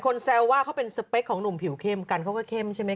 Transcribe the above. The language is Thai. แซวว่าเขาเป็นสเปคของหนุ่มผิวเข้มกันเขาก็เข้มใช่ไหม